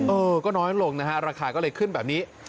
เออก็น้อยลงนะฮะราคาก็เลยขึ้นแบบนี้